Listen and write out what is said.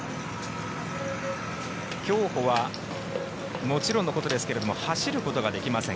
競歩はもちろんのことですが走ることができません。